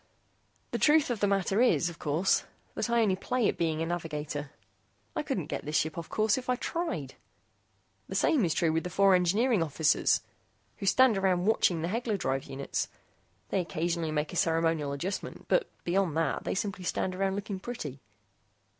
"The truth of the matter is, of course, that I only play at being a navigator. I couldn't get this ship off course, if I tried. The same is true with the four engineering officers who stand around watching the Hegler drive units. They occasionally make a ceremonial adjustment, but beyond that, they simply stand around looking pretty."